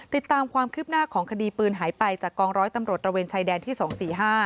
ติดตามความคึบหน้าของคดีปืนหายไปจากกองร้อยตำรวจภรรยังนะประตูอำนุษย